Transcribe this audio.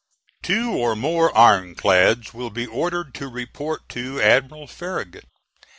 Two or more iron clads will be ordered to report to Admiral Farragut.